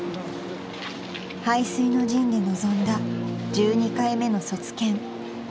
［背水の陣で臨んだ１２回目の卒検］